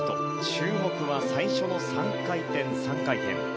注目は最初の３回転、３回転。